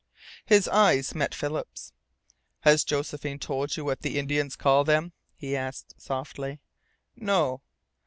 His eyes met Philip's. "Has Josephine told you what the Indians call them?" he asked softly. "No."